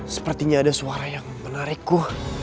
sepertinya ada suara yang menarik